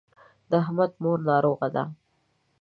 د احمد مور ناروغه ده.